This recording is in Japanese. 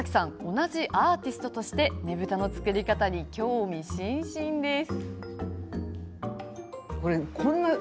同じアーティストとしてねぶたの作り方に興味津々です。